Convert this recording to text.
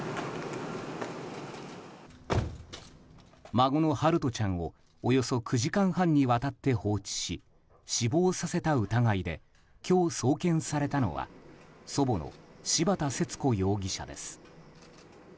孫の陽翔ちゃんをおよそ９時間半にわたって放置し死亡させた疑いで今日、送検されたのは祖母の柴田節子容疑者です。